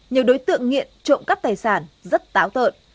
nhiều đối tượng nghiện trộm cắp tài sản rất táo tợn